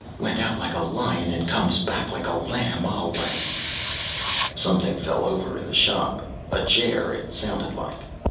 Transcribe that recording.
"Went out like a lion and comes back like a lamb, I'll lay." Something fell over in the shop: a chair, it sounded like.